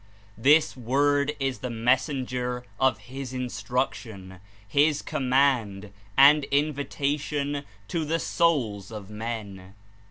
This Word is the messenger of his instruc tion, his command and invitation to the souls of men.